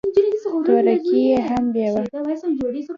تورکى يې هم بېوه.